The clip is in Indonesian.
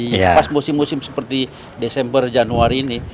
pas musim musim seperti desember januari ini